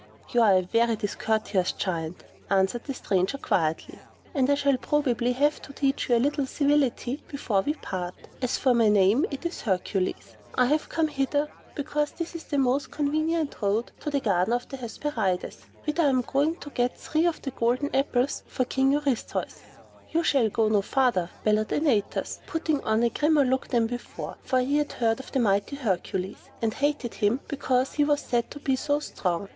"You are a very discourteous Giant," answered the stranger quietly, "and I shall probably have to teach you a little civility, before we part. As for my name, it is Hercules. I have come hither because this is my most convenient road to the garden of the Hesperides, whither I am going to get three of the golden apples for King Eurystheus." "Caitiff, you shall go no farther!" bellowed Antaeus, putting on a grimmer look than before; for he had heard of the mighty Hercules, and hated him because he was said to be so strong.